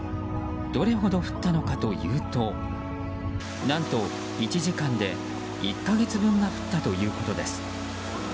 どれほど降ったのかというと何と、１時間で１か月分が降ったということです。